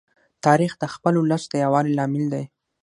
تاریخ د خپل ولس د یووالي لامل دی.